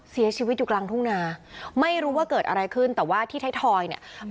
เสียชีวิตอยู่กลางทุ่งนาไม่รู้ว่าเกิดอะไรขึ้นแต่ว่าที่ไทยทอยเนี่ย